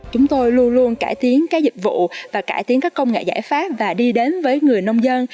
chúng tôi luôn luôn cải tiến các dịch vụ và cải tiến các công nghệ giải pháp và đi đến với người nông dân